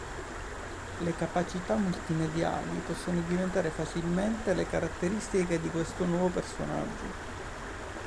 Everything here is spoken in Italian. Le capacità multimediali possono diventare facilmente le caratteristiche di questo nuovo personaggio.